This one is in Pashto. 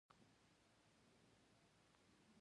په افغانستان کې د هلمند سیند تاریخ خورا اوږد دی.